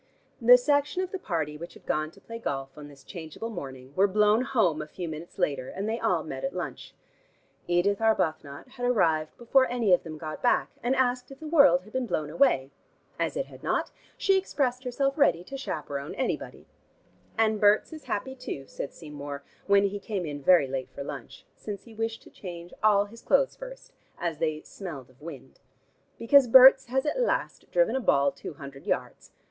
The section of the party which had gone to play golf on this changeable morning, were blown home a few minutes later, and they all met at lunch. Edith Arbuthnot had arrived before any of them got back, and asked if the world had been blown away. As it had not, she expressed herself ready to chaperone anybody. "And Berts is happy too," said Seymour, when he came in very late for lunch, since he wished to change all his clothes first, as they 'smelled of wind,' "because Berts has at last driven a ball two hundred yards.